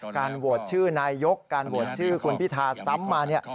การโหวตชื่อนายยกซ้ำมาเนี่ยการโหวตชื่อคุณภิษฐาซำ